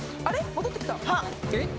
戻ってきた。